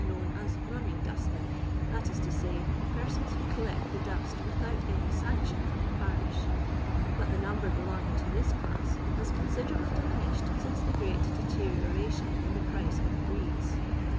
179 known m " rnnning dustmen," tbat ii to my, |>er •onf who collect the dul without any lanction from the parish ; but thenoiber belonging to this class has considerably diminished since the great deterioration in the price of *' briese.